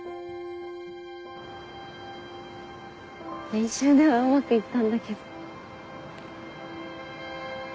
練習ではうまく行ったんだけど。